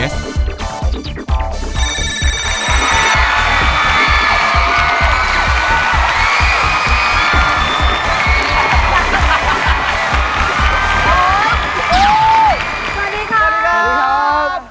สวัสดีครับ